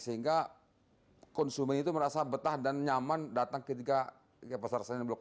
sehingga konsumen itu merasa betah dan nyaman datang ketika ke pasar senen blok